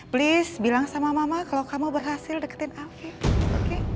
please bilang sama mama kalau kamu berhasil deketin api oke